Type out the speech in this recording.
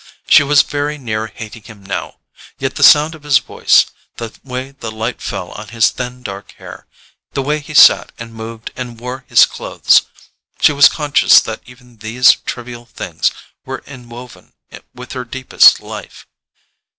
She was very near hating him now; yet the sound of his voice, the way the light fell on his thin dark hair, the way he sat and moved and wore his clothes—she was conscious that even these trivial things were inwoven with her deepest life.